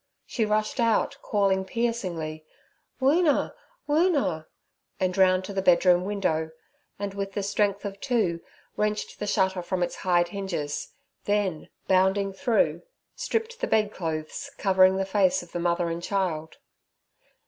She rushed out, calling piercingly, 'Woona, Woona!' and round to the bedroom window, and with the strength of two wrenched the shutter from its hide hinges; then, bounding through, stripped the bedclothes covering the face of the mother and child.